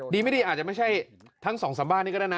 ไม่ดีอาจจะไม่ใช่ทั้งสองสามบ้านนี้ก็ได้นะ